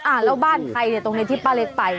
แล้วบ้านใครเนี่ยตรงนี้ที่ป้าเล็กไป